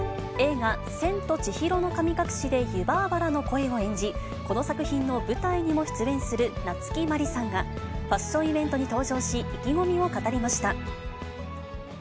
映画、千と千尋の神隠しで湯婆婆らの声を演じ、この作品の舞台にも出演する夏木マリさんが、ファッションイベントに登場し、意気込みを語りました。